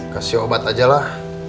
kasih obat aja lah